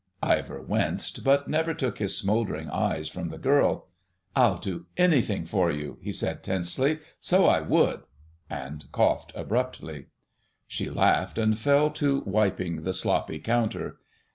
Ivor winced, but never took his smouldering eyes from the girl. "I'd do anything for you," he said tensely, "so I would," and coughed abruptly. She laughed and fell to wiping the sloppy counter.